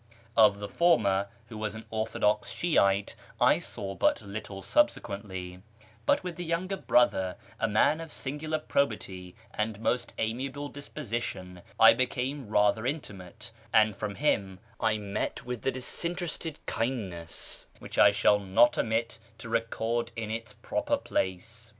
Of the former, who was an orthodox Shi'ite, I saw but little subse quently ; but with the younger brother, a man of singular probity and most amiable disposition, I became rather inti mate, and from him I met with a disinterested kindness which I shall not omit to record in its proper place.